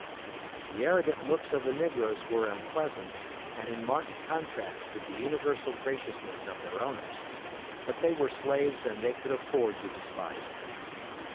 The arrogant looks of the negroes were unpleasant, and in marked contrast to the universal graciousness of their owners, but they were slaves and they could afford to despise them.